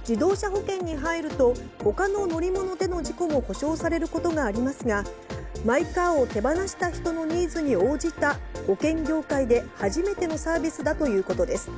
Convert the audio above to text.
自動車保険に入ると他の乗り物での事故も補償されることがありますがマイカーを手放した人のニーズに応じた保険業界で初めてのサービスだということです。